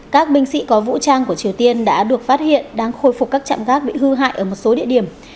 các binh sĩ có vũ trang của triều tiên đã được phát hiện đang khôi phục các trạm gác bị hư hại ở một số địa điểm